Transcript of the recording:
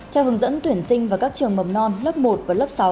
theo hướng dẫn tuyển sinh vào các trường mầm non lớp một và lớp sáu